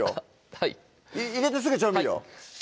はい入れてすぐ調味料？